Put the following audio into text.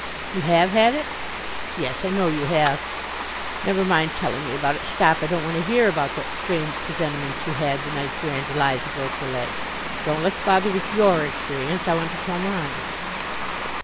You have had it? Yes, I know you have. Never mind telling me about it. Stop. I don't want to hear about that strange presentiment you had the night your Aunt Eliza broke her leg. Don't let's bother with your experience. I want to tell mine.